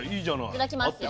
いただきますよ。